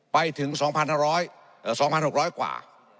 ไปถึง๒๖๐๐กว่า